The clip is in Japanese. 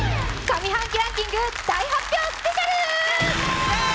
上半期ランキング大発表スペシャル！